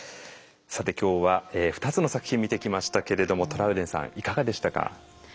さて今日は２つの作品見てきましたけれどもトラウデンさんいかがでしたか？